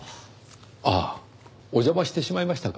ああお邪魔してしまいましたか？